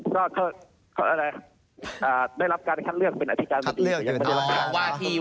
ก็ได้รับการคัดเลือกเป็นอธิการ